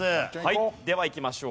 ではいきましょう。